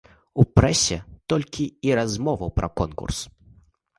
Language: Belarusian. У прэсе толькі і размоваў пра конкурс.